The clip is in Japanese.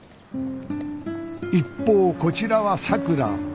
一方こちらはさくら。